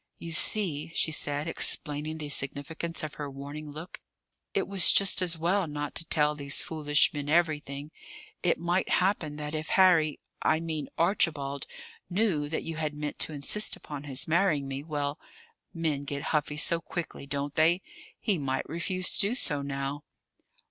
"You see," she said, explaining the significance of her warning look, "it was just as well not to tell these foolish men everything. It might happen that if Harry I mean Archibald knew that you had meant to insist upon his marrying me well, men get huffy so quickly, don't they? he might refuse to do so now."